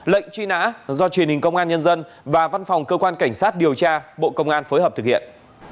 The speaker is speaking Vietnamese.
lệnh truy nã do truyền hình công an nhân dân và văn phòng cơ quan cảnh sát điều tra bộ công an phối hợp thực hiện